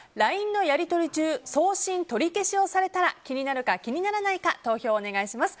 ＬＩＮＥのやりとり中送信取り消しをされたら気になるか、気にならないか投票をお願いします。